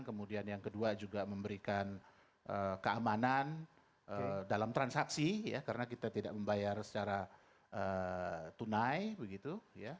kemudian yang kedua juga memberikan keamanan dalam transaksi karena kita tidak membayar secara tunai begitu